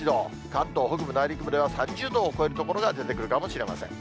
関東北部、内陸部では３０度を超える所が出てくるかもしれません。